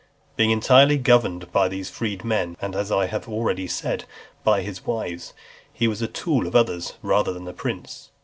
XXIX. Being entirely governed by these freedmen, and, as I have already said, by his wives, he was a tool to others, rather than a prince.